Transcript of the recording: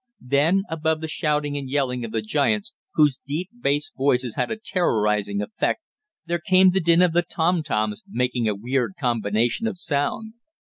Then, above the shouting and yelling of the giants, whose deep, bass voices had a terrorizing effect, there came the din of the tom toms, making a weird combination of sound.